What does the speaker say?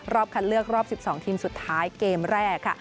รอบคัดเลือกรอบสิบสองทีมสุดท้ายเกมแรกค่ะ